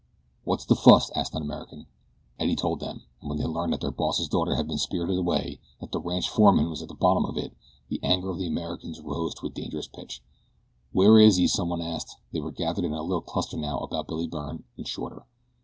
"What's the fuss?" asked an American. Eddie told them, and when they learned that the boss's daughter had been spirited away and that the ranch foreman was at the bottom of it the anger of the Americans rose to a dangerous pitch. "Where is he?" someone asked. They were gathered in a little cluster now about Billy Byrne and Shorter.